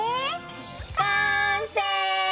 完成！